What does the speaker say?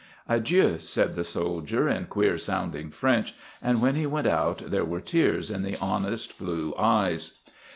"Adieu," said the soldier in queer sounding French, and when he went out there were tears in the honest blue eyes.